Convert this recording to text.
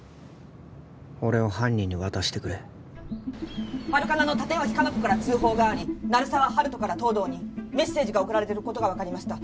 俺を犯人に渡してくれハルカナの立脇香菜子から通報があり鳴沢温人から東堂にメッセージが送られてることが分かりました